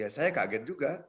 saya kaget juga